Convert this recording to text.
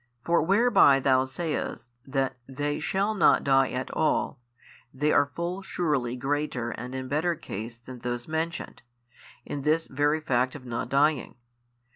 For whereby Thou sayest that they shall not die at all, they are full surely greater and in better case than those mentioned, in this very fact of not dying.